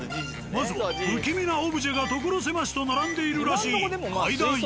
まずは不気味なオブジェが所狭しと並んでいるらしい階段へ。